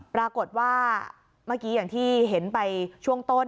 ปรากฏว่าเมื่อกี้อย่างที่เห็นไปช่วงต้น